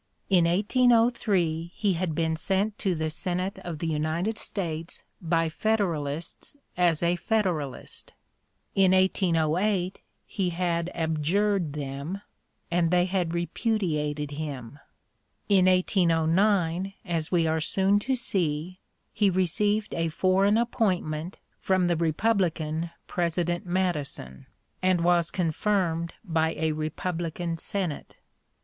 In 1803 he had been sent to the Senate of the United States by Federalists as a Federalist; in 1808 he had abjured them and they had repudiated him; in 1809, as we are soon to see, he received a foreign appointment from the Republican President Madison, and was confirmed by a Republican Senate.